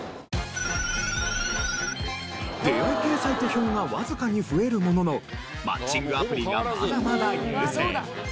出会い系サイト票がわずかに増えるもののマッチングアプリがまだまだ優勢。